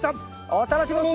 お楽しみに！